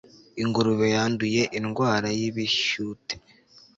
ingurube yanduye indwara y'ibishyute